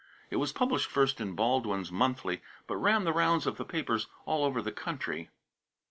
It was published first in Baldwin's Monthly, but ran the rounds of the papers all over the country.